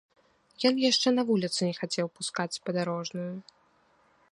Ён яшчэ на вуліцы не хацеў пускаць падарожную.